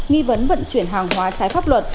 nghi vấn vận chuyển hàng hóa trái pháp luật